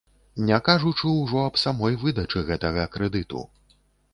Не кажучы ўжо аб самой выдачы гэтага крэдыту.